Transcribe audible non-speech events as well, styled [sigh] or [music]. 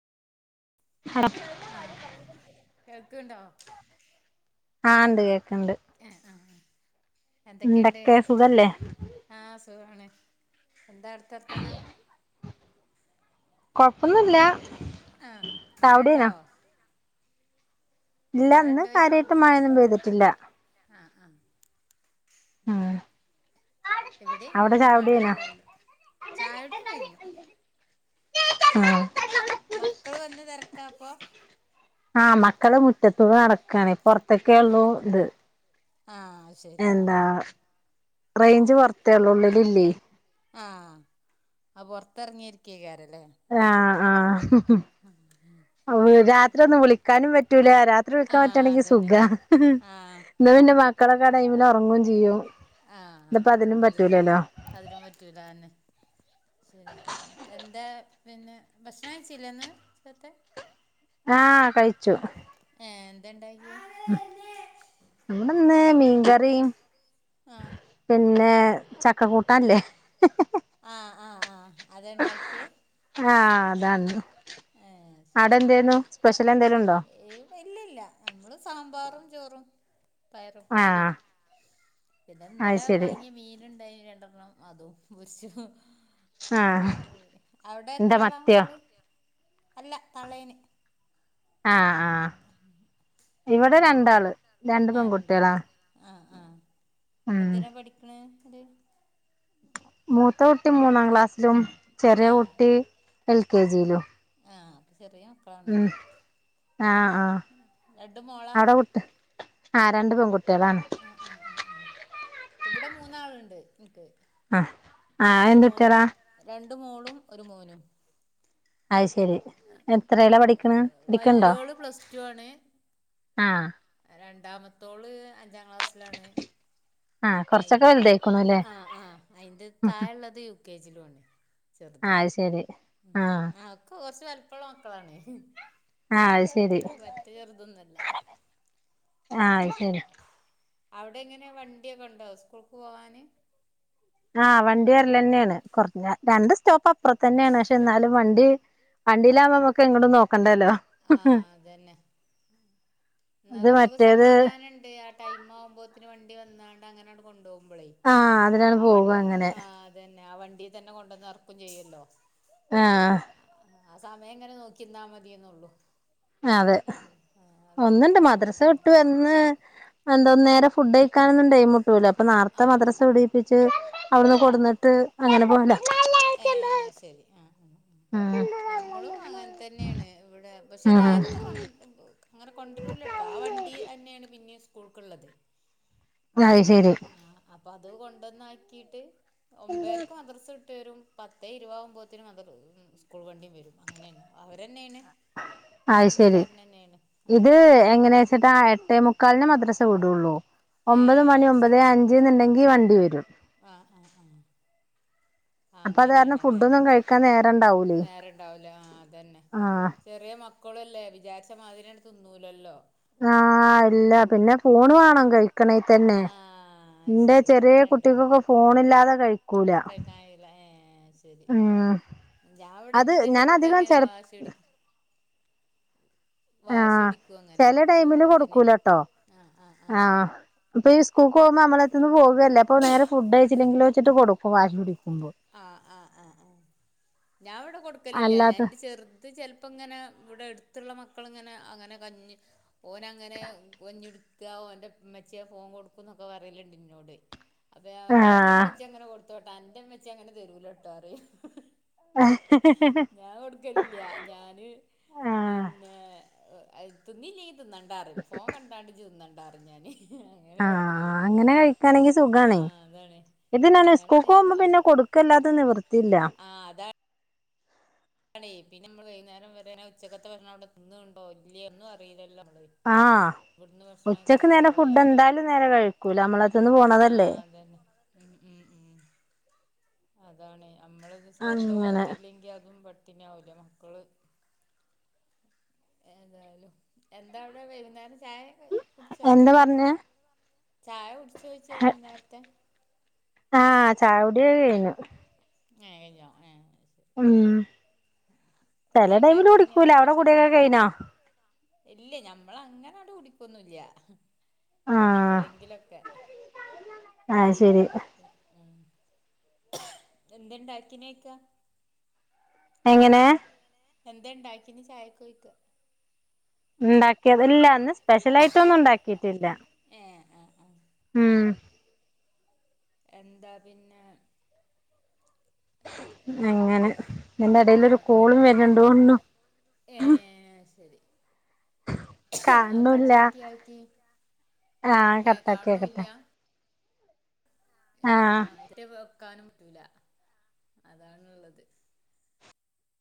[unintelligible] ആഹ് കേൾക്കണ്ടോ ആഹ് ഉണ്ട് കേക്കണ്ട് ആഹ് ആ എന്തൊക്കെണ്ട് എന്തൊക്കെ സുഖല്ലേ ആഹ് സുഖാണ് എന്താ അവിടുത്തെ വർത്താനം കുഴപ്പൊന്നില്ല ആഹ് മഴണ്ടോ ഇല്ല ഇന്ന് മഴണ്ടോയ്ക്ക കാര്യയിട്ട് മഴയൊന്നും പെയ്തിട്ടില്ല ആഹ് ആഹ് ആ ഉം എവിടെ അവിടെ ഇങ്ങനെന്ന ചായുടികയിഞ്ഞോ മഴയല്ലല്ലോ ചായ കുടി കഴിഞ്ഞു മക്കള് വന്ന് തിരക്കാപ്പൊ ആഹ് മക്കള മുറ്റത്ത നടക്കാണ് പുറത്തൊക്കെയ ഉള്ളൂ ഇത് ആഹ് ശരി ആഹ് എന്താ ആഹ് റേയ്ഞ്ച് പുറത്തെള്ളൂ ഉള്ളിലില്ല ആഹ് പുറത്തിറങ്ങിയിരിക്കേ കാരല്ലേ ആഹ് ആഹ് രാത്രി ഒന്നും വിളിക്കാനും പറ്റൂല രാത്രി വിളിക്കാൻ ആഹ് പറ്റിയാണെങ്കിൽ സുഖ അതന്നെ ആഹ് ഇന്ന് പിന്നെ മക്കളൊക്കെ ആ ടൈമിൽ ഉറങ്ങും ചെയ്യുംഇന്ന് അതിനും പറ്റൂലല്ലോ അതിന്നും പറ്റൂല്ലാണ് ശരി എന്താ പിന്നെ ഭക്ഷണം കഴിച്ചില്ലേ ഇന്ന്സ്വത്തേ ആഹ കഴിച്ചു ഏഎന്തുണ്ടായത് ഇവിടെ ഇന്ന് മീൻകറിയും ആഹ പിന്നെ ചക്കക്കൂട്ടാൻ ഇല്ലേ ആഹ ആഹ് ആഹ അതണ്ടാക്കിയ ആഹ അതനെഅവിടെ എന്തേയ്നുസ്പെഷ്യൽ എന്തേലും ഉണ്ടോ ഇല്ല ഇല്ല നമ്മള് സാമ്പാറും ചോറും ആഹ് പയറുപ്പേരിപിന്നെ അത് ഇന്നലെ ശരി വാങ്ങിയ മീനണ്ടായി രണ്ടെണ്ണം അതും ആഹ് ഫിസ്ഫ്അവിടെ എന്താ എത്രാള് മത്തിയോ മക്കള് അല്ല തളേന് ആഹ് ആഹ് ആഹാ ഇവിടെ രണ്ടാള് രണ്ട് രണ്ടാളും പെൺകുട്ടികളാ ആഹ ആഹ ഉം എന്തിനതിനാ പഠിക് ണ് മൂത്ത കുട്ടി മൂന്നാം ക്ലാസ്സിലും ചെറിയ ആ കുട്ടി എൽ കെ ജിയിലും ആഹ് ചെറിയ ഉം മക്കളാണല്ലോ ആഹ് ആഹ് രണ്ട് മോളാ അവിടെ വിട്ട്ആരന്റെ പെൺകുട്ടികളാണ് ആഹ് ആഹ് ആഹ് ഇവിടെ മൂന്നാളുണ്ട് എനിക്ക് ആഹ് ആഹ് രണ്ട് എന്ത് മോ കുട്ടികളാ രണ്ട് മോളും ഒരു മോനും അത് ശരി എത്രയില പഠിക്ണ് പഠിക്ക്ണ്ടോ വല്യോള് പ്ലസ് ടു ആണ് ആഹ് രണ്ടാമത്തോള് അഞ്ചാം ക്ലാസ്സിലാണ് ആഹ് കൊറച്ചൊക്കെ അയിന്റെ ത വലുതായിക്കണു അല്ലേ ആഹ് ആഹ് അയിൻ്റെ ഉം താഴെ ഉള്ളത് യു കെ ജിലു ആണ് ചെറുത് ആഹ് അത് ശരി ആഹ് ആക്കൂ കുറച്ച് വലുപ്പമുള്ള മക്കളാണ് ആഹ് അത് ശരി പറ്റ ചെറുതൊന്നുമല്ല ആഹ് അത് ശരി അവിടെ എങ്ങനെ വണ്ടിയൊക്കെ ഉണ്ടോ സ്കൂൾക്ക് പോകാൻ ആഹ് വണ്ടി വരെല്ല തന്നെയാണ് കൊറ രണ്ട് സ്റ്റോപ്പ് അപ്പുറ തന്നെയാണ് പക്ഷെ എന്നാലും വണ്ടി വണ്ടീലാകുമ്മമ്മക്ക് എങ്ങടും നോക്കണ്ടല്ലോ ആഹ് അതന്നെ എന്നാ ഇത് നമുക്ക് മറ്റേത് സമാധാനണ്ട് ആ ടൈം ആവുമ്പോത്തിന് വണ്ടി വന്നാണ്ട് അങ്ങനെണ്ട് കൊണ്ടോകുമ്പളേ ആഹ് അതിലാണ് ആവ പോക അങ്ങനെ ആഹ് അത് തന്നെ ആ വണ്ടി തന്നെ കൊണ്ടന്ന് എർക്കും ചെയ്യല്ലോ ആഹ് ആഹ് ആഹ് സമയം എങ്ങനെ നോക്കിന്നാൽ മതി എന്നുള്ളൂ അതെ അല്ലാത്ത ഒന്നുണ്ട് മദ്രസ വീടൊന്നും വിട്ടു വന്ന് എന്താ നേരെ ഫുഡ് കഴിക്കാനൊന്നും ടൈമുട്ടൂലോ അപ്പൊ ആ നാർത്ത മദ്രസ ആ വിടിയിപ്പിച്ച് അവിടുന്ന് കൊടുന്നിട്ട് അങ്ങനെ പോവല ഏഹ് അ ശരി ആഹ് ഉം മ്മളും അങ്ങനെ തന്നെയാണ് ഇവിടെ പക്ഷെ ഉം നേരത്തെ കൊ അങ്ങനെ കൊണ്ടരൂലട്ടോ ആ വണ്ടി തന്നെയാണ് പിന്നെ സ്കൂൾക്കുള്ളത് അയ് ശരി അപ്പൊ അത് കൊണ്ടൊന്നാക്കിയിട്ട് ഒമ്പേരക്ക് മദ്രസ് വി ട്ട് വരും പത്തേ ഇരുവാമ്പോഴത്തിനും അതൊരു സ്കൂൾ വണ്ടിയും വരും അങ്ങനെ തന്നെ അവർ തന്നെയാണ് അത് ശരി ഇത് അതൊണ്ട് പിന്നെ എങ്ങനെയാ വെച്ചിട്ടാ എട്ടേ മു ക്കാലിന് മദ്രസ വിടുള്ളൂ ഒമ്പത് മണി ഏഹ് ഒമ്പത് ശരി അഞ്ച് എന്നുണ്ടെങ്കിൽ വണ്ടി വരും ആഹ് ആഹ് അപ്പൊ അത് കാരണം അങ്ങനെണല്ലേ ഫുഡൊന്നും കഴിക്കാൻ നേരണ്ടാവൂലേ നേരെ ഇണ്ടാവൂല ആഹ് അതന്നെ ആഹ് ചെറിയ മക്കളല്ലേ വിചാരിച്ച മാതിരി അങ്ങ് തിന്നൂലല്ലോ ആഹ് അല്ല പിന്നെ ഫോണ് ആഹ് വാണം കഴിക്കണേ തന്നെ ആഹ് എന്റെ ശരി ചെറിയ കുട്ടികൊക്കെ ഫോണില്ലാതെ കഴി കൈക്കാൻ കയ്യൂല ഏഹ് ശരി ഉം ഞാൻ അത് അവിടെന്റെ ഞാൻ അധികം ചെറുതങ്ങനെ ചെല വാശി പിടി വാശി ആഹ് പിടിക്കു അങ്ങനെ ചെല ചോ ടൈമില് ഇതിന് ആഹ് ആഹ് ആഹ് അപ്പൊ ഈ സ്കൂൾക്ക് പോകുമ്പോ നമ്മളത്തന്ന് പോകല്ലേ അപ്പൊ നേരെ ഫുഡ് കഴിച്ചില്ലെങ്കിൽ വച്ചിട്ട് കൊടുക്കും വാശി പിടിക്കുമ്പോ ആഹ് ആഹ് ആഹ് ഞാൻ ഇവിടെ കൊടുക്കലില്ല ഞാൻ അല്ലാത്ത എന്റെ ചെറു ത് ചിലപ്പോ ഇങ്ങനെ ഇവിടെ എടുത്തുള്ള മക്കളിങ്ങനെ അങ്ങനെ കഞ്ഞി ഓന് അങ്ങനെ ഒഞ്ഞൊടുക്കാ ഓൻ്റെ മ്മച്ചി ആ ഫോൺ കൊടുക്കും എന്നൊക്കെ പറയലുണ്ട് ഇന്നോട് അപ്പേ ഞാൻ പറയും ഓന്റെ ആഹ് മ്മച്ചി എങ്ങനെ കൊടുത്തോട്ടെ അന്റെ മ്മച്ചി അങ്ങനെ തരുലട്ടോ പറയും ഞാൻ കൊടുക്കില്ല ഞാന് ആഹ് പിന്നെ അ തിന്നില്ലെങ്കി തിന്നണ്ട പറയും ഫോൺ കണ്ടാണ്ട് ഇജ് തിന്നണ്ടാപറയും ഞാൻ അങ്ങനെ ആഹ് കാട്ടില്ലേ, അങ്ങനെ കഴിക്കാണെങ്കി സുഖാണ് ആഹ് അതാണ്. ഇത് ഞാന് അങ്ങനെയാണ് സ്കൂൾക്ക് ഞാൻ പോകുമ്പോൾ പിന്നെ കൊടുക്കല്ലാതെ നിവൃത്തിയില്ല. ആഹ് അതാ ണേ പിന്നെ നമ്മള് വൈകുന്നേരം വരെനെ ഉച്ചക്കത്തെ ഭക്ഷണം അവിടെ തിന്നുന്നുണ്ടോ ഇല്ലേ ഒന്നും അറിയില്ലോ നമ്മള് ആഹ് ഇവിടുന്ന് ഭക്ഷണം ഉച്ചക്ക് കഴിക്കാതെ നേരെ ഫുഡ് പോയാല് എന്തായാലും നേരെ കഴിക്കൂല നമ്മളത്തന്ന് പോണതല്ലേ ആഹ് അതന്നെ ഉം ഉം ഉം അതാണ് നമ്മളത് ശ്രദ്ധ അങ്ങനെ കൊടുത്തില്ലെങ്കി അതും പട്ടിണി അവല്ലേ മക്കള് എന്തായാലും എന്താവിടെ വൈന്നേരം ചായയും കടി എന്താ പറഞ്ഞെ? ചായ കുടിച്ചോ ചോയിച്ചേ നേരത്തെ ആഹ് ചായ കുടിയൊക്കെ കഴിഞ്ഞു ഏ കൈഞ്ഞോ ഏ ഉം ചെല ടൈമില് എന്തെങ്കിലുംഉണ്ടാക്കീനോ കുടിക്കൂല അവിടെ സ്പെഷ്യല് കുടിയൊക്കെ കഴിഞ്ഞോ ഇല്ലെ ഞമ്മള് അങ്ങനങ്‌ട് കുടിക്കൊന്നുംല്ല ആഹ് എപ്പഴളെങ്കിലൊക്കെ ആ ശരി ഉം എന്തെണ്ടക്കീന് [unintelligible] എങ്ങനെ? എന്താ ഇണ്ടാക്കിന് ചായക്കി കയ്ക്കൻ ഇണ്ടാക്കിയത് ഇല്ല ഇന്ന് സ്പെഷ്യൽ ആയിട്ടൊന്നും ഉണ്ടാക്കിട്ടില്ല ഏ ആ ആ ഉം എന്താ പിന്നെ? ഇത് എങ്ങനെ എന്റെറെ ആ ഇടയിലൊരു ആ കോളും വരുന്നുണ്ട ഏ അയ്ശരി അഹ് കാണുന്നുല്ല കട്ടാക്കി ആഹ് ആക്കികാണണുല്ല കട്ടാക്കിയേക്കട്ടെ ഇത് ആഹ് ആ ഇതെ വെക്കാനും പറ്റൂല അതാണുള്ളത്